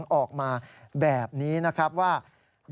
ยอมรับว่าการตรวจสอบเพียงเลขอยไม่สามารถทราบได้ว่าเป็นผลิตภัณฑ์ปลอม